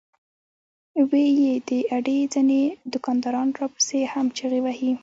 وې ئې " د اډې ځنې دوکانداران راپسې هم چغې وهي